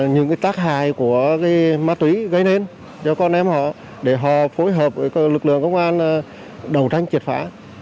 những tác hại của ma túy gây nên cho con em họ để họ phối hợp với lực lượng công an đầu tranh triệt phá